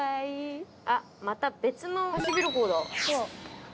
あっまた別のハシビロコウだ。